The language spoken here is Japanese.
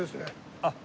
あっ！